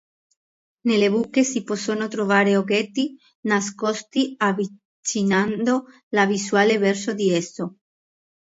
Nelle buche si possono trovare oggetti nascosti avvicinando la visuale verso di esso.